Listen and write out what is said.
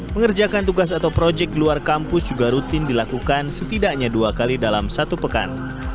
mengerjakan tugas atau proyek luar kampus juga rutin dilakukan setidaknya dua kali dalam satu pekan